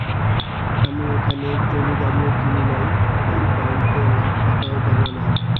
আমি এখানে জমিদারীও কিনি নাই, বা ব্যাঙ্কে লাখ টাকাও জমা নাই।